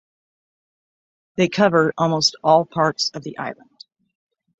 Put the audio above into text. They covered almost all parts of the island.